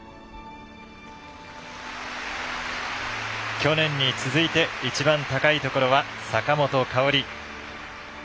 去年に続いて一番高いところは坂本花織。